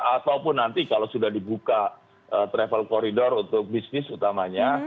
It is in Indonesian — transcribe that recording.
ataupun nanti kalau sudah dibuka travel corridor untuk bisnis utamanya